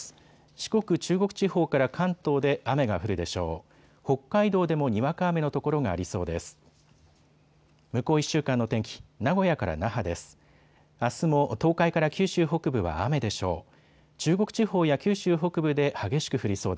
四国、中国地方から関東で雨が降るでしょう。